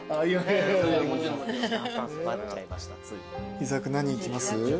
伊沢君何いきます？